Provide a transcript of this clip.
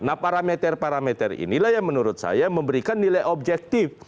nah parameter parameter inilah yang menurut saya memberikan nilai objektif